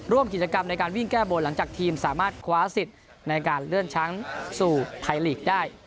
ร่วมกิจกรรมในการวิ่งแก้บนหลังจากทีมสามารถคว้าสิทธิ์ในการเลื่อนช้างสู่ไทยลีกได้